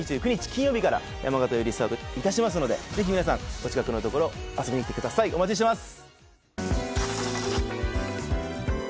金曜日から山形よりスタートいたしますのでぜひ皆さんお近くのところ遊びに来てくださいお待ちしてます！